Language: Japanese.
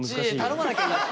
頼まなきゃいい。